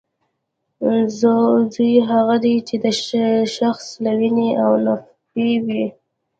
زوی هغه دی چې د شخص له وینې او نطفې وي